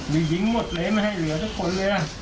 มีหญิงหมดเลยไม่ให้เหลือทุกคนเลย